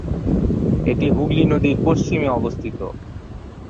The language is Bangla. এটি হুগলি নদীর পশ্চিমে অবস্থিত।